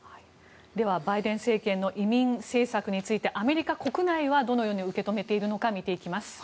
ではバイデン政権の移民政策についてアメリカ国内はどのように受け止めているのか見ていきます。